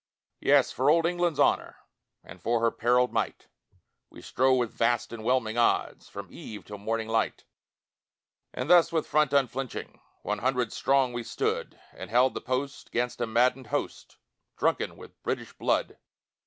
Yes, for old England's honour And for her perilled might, We strove with vast and whelming odds, From eve till morning light; And thus with front unflinching, One hundred strong we stood, And held the post 'gainst a maddened host Drunken with British blood.